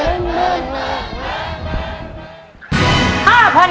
หนึ่งหมื่นหนึ่งหมื่น